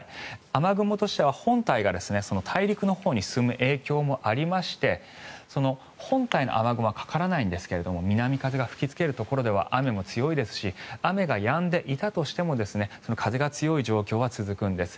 雨雲としては本体が大陸のほうに進む影響もありまして本体の雨雲はかからないんですけども南風が吹きつけるところでは雨も強いですし雨がやんでいたとしても風が強い状況は続くんです。